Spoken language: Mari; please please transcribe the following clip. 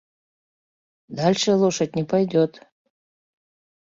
Дальше лошадь не пойдёт.